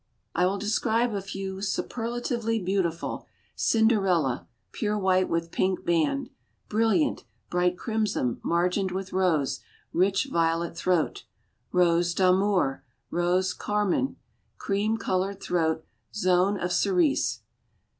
I will describe a few "superlatively beautiful." Cinderella, pure white with pink band. Brilliant, bright crimson, margined with rose, rich violet throat. Rose d'Amour, rose carmine, cream colored throat, zone of cerise.